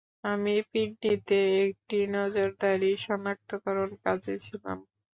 আমি পিন্ডিতে একটি নজরদারি সনাক্তকরণ কাজে ছিলাম।